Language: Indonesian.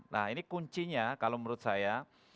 nah ini kuncinya kalau menurut saya